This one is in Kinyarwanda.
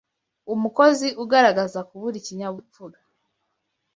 Umukozi ugaragaza kubura ikinyabupfura